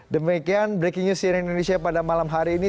demikian breaking news cnn indonesia pada malam hari ini